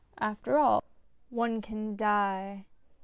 After all, one can die.